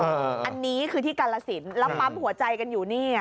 อันนี้คือที่กาลสินแล้วปั๊มหัวใจกันอยู่นี่